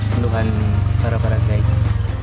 penduhan para para guide